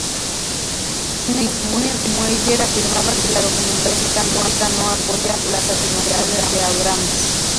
Christine L. Mueller afirma que la documentación histórica no apoya las afirmaciones de Abrams.